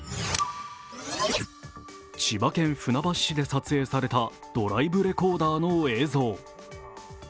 千葉県船橋市で撮影されたドライブレコーダーの映像。